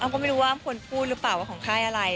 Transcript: ก็ไม่รู้ว่าควรพูดหรือเปล่าว่าของค่ายอะไร